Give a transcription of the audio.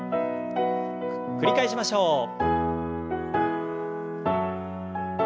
繰り返しましょう。